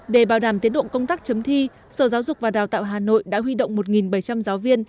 để bảo đảm tiến độ công tác chấm thi sở giáo dục và đào tạo hà nội đã huy động một bảy trăm linh giáo viên